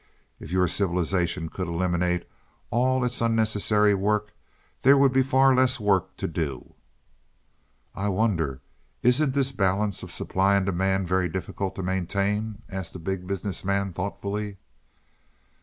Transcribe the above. If your civilization could eliminate all its unnecessary work, there would be far less work to do." "I wonder isn't this balance of supply and demand very difficult to maintain?" asked the Big Business Man thoughtfully.